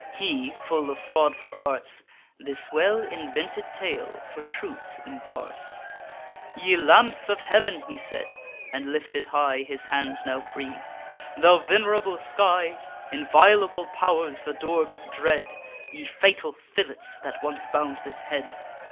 He, full of fraudful arts, This well invented tale for truth imparts: 'Ye lamps of heav'n!' he said, and lifted high His hands now free, 'thou venerable sky! Inviolable pow'rs, ador'd with dread! Ye fatal fillets, that once bound this head!